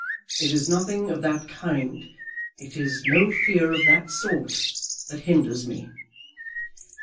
"It is nothing of that kind; it is no fear of that sort that hinders me."